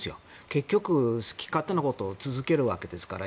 結局、好き勝手なことを続けるわけですから。